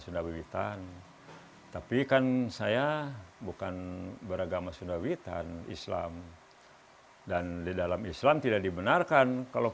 sundawiwitan tapi kan saya bukan beragama sundawitan islam dan di dalam islam tidak dibenarkan kalau